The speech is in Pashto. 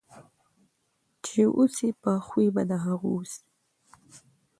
چي اوسې په خوی به د هغو سې